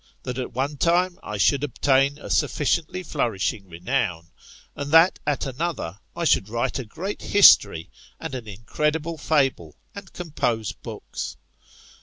That at one time I should obtain a sufficiently flourish ing renown, and that at another, I should write a great history and an incredible fable, and compose books.